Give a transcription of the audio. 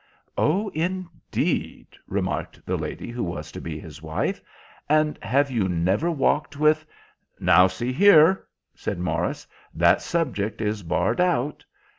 "Oh, indeed," remarked the lady who was to be his wife, "and have you never walked with—" "Now, see here," said Morris, "that subject is barred out.